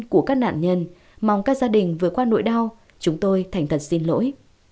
của các nạn nhân mong các gia đình vượt qua nỗi đau chúng tôi thành thật xin lỗi